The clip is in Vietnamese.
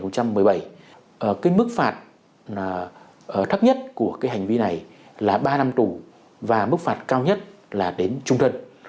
cái mức phạt thấp nhất của cái hành vi này là ba năm tù và mức phạt cao nhất là đến trung thân